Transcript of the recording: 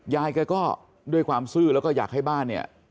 ยายแกก็ด้วยความซื่อแล้วก็อยากให้บ้านเนี่ย